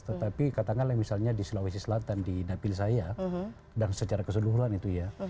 tetapi katakanlah misalnya di sulawesi selatan di dapil saya dan secara keseluruhan itu ya